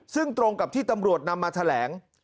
ซึ่งตรงกับที่ตำรวจนำมาแถลง